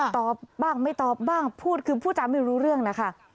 ตอบบ้างไม่ตอบบ้างพูดคือพูดจาไม่รู้เรื่องนะคะ